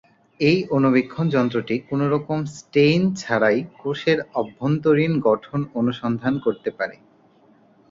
এই অণুবীক্ষণ যন্ত্রটি কোনরকম স্টেইন ছাড়াই কোষের অভ্যন্তরীন গঠন অনুসন্ধান করতে পারে।